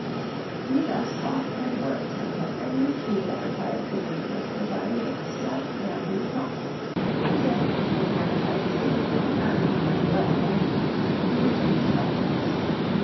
We thus talked and worked until every tree that required treatment was provided with a stout bamboo prop, and then, with appetites which a gourmand might well have envied, we returned to Falconhurst.